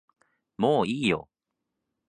もういいよ